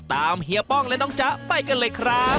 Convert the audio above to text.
เฮียป้องและน้องจ๊ะไปกันเลยครับ